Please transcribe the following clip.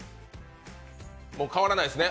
もう変わらないですね。